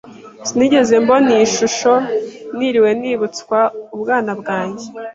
Sinigeze mbona iyi shusho ntiriwe nibutswa ubwana bwanjye.